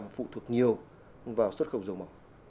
phụ thuộc nhiều vào xuất khẩu dầu mỏng